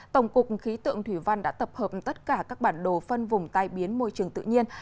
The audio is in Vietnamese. tổng cục khí tượng thủy văn đã tập hợp tất cả các bản đồ phân vùng tai biến môi trường tự nhiên